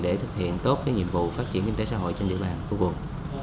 để thực hiện tốt nhiệm vụ phát triển kinh tế xã hội trên địa bàn của quận